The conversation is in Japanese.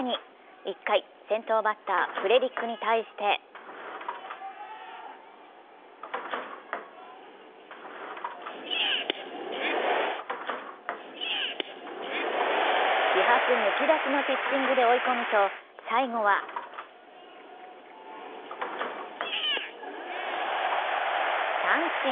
１回、先頭バッターフレリックに対して気迫むき出しのピッチングで追い込むと、最後は三振。